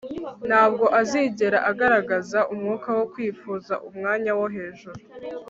ntabwo azigera agaragaza umwuka wo kwifuza umwanya wo hejuru